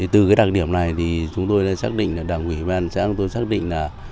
từ đặc điểm này chúng tôi đã xác định đảng ủy ban xã tôi xác định là